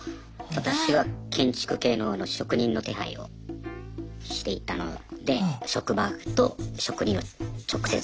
私は建築系の職人の手配をしていたので職場と職人を直接。